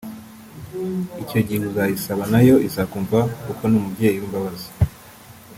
Icyo gihe uzayisaba nayo izakumva kuko ni umubyeyi w’ imbabazi